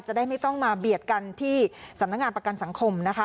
จะได้ไม่ต้องมาเบียดกันที่สำนักงานประกันสังคมนะคะ